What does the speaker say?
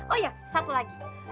oh iya satu lagi